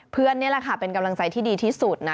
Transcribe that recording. นี่แหละค่ะเป็นกำลังใจที่ดีที่สุดนะ